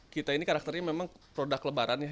kita ini karakternya memang produk lebaran ya